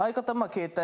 携帯